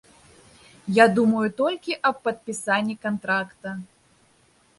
Я думаю толькі аб падпісанні кантракта.